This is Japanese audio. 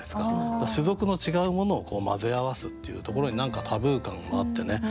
種族の違うものを混ぜ合わすっていうところに何かタブー感もあってね